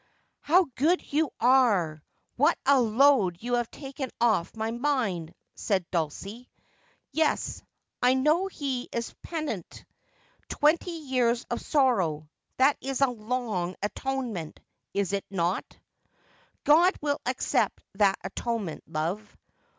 ' How good you are ! What a load you have taken off my mind !' said Dulcie. ' Yes, I know he is penitent. Twenty years of sorrow ! That is a long atonement, is it not 1 ' 'God will accept that atonement, love.'